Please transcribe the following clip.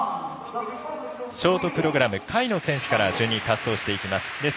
ショートプログラム下位の選手から順に滑走していきます。